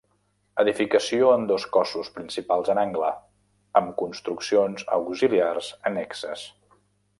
Edificació en dos cossos principals en angle, amb construccions auxiliars annexes.